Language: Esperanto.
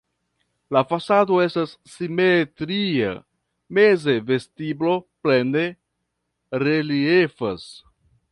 La fasado estas simetria, meze vestiblo plene reliefas.